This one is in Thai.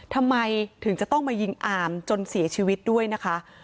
ทำไมถึงจะต้องมายิงอามจนเสียชีวิตด้วยนะคะ